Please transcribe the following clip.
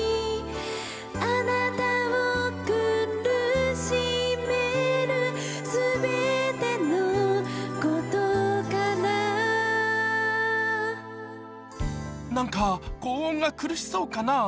「あなたを苦しめる全てのことから」なんか高音が苦しそうかな？